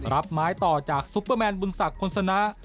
รับไม้ต่อจากซุปเปอร์แมนบุญศักดิพลสนะ